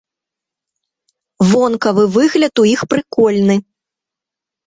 Вонкавы выгляд у іх прыкольны!